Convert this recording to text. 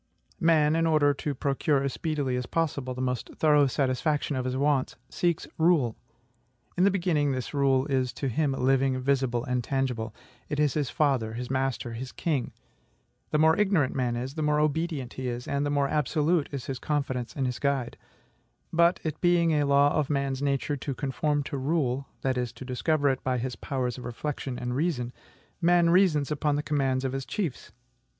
Man, in order to procure as speedily as possible the most thorough satisfaction of his wants, seeks RULE. In the beginning, this rule is to him living, visible, and tangible. It is his father, his master, his king. The more ignorant man is, the more obedient he is, and the more absolute is his confidence in his guide. But, it being a law of man's nature to conform to rule, that is, to discover it by his powers of reflection and reason, man reasons upon the commands of his chiefs.